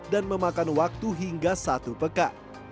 dan memakan waktu hingga satu peka